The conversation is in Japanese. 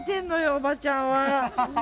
おばちゃんは。